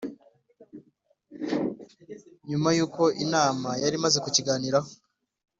nyuma y'uko inama yari maze kukiganiraho.